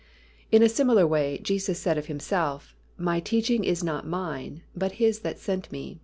In a similar way, Jesus said of Himself, "My teaching is not Mine, but His that sent Me."